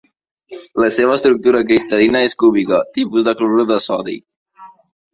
La seva estructura cristal·lina és cúbica, tipus clorur de sodi.